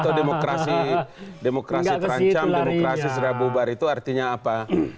atau demokrasi demokrasi terancam demokrasi sudah bubar itu artinya apa